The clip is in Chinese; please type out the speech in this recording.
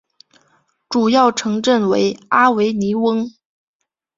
主要城镇为阿维尼翁。